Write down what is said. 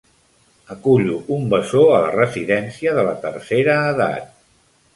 Acullo un bessó a la residència de la tercera edat.